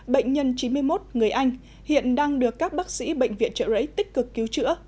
bệnh nhân chín mươi một người anh hiện đang được các bác sĩ bệnh viện trợ rẫy tích cực cứu chữa